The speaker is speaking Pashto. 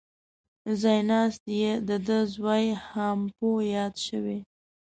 ځای ناست یې دده زوی هامپو یاد شوی.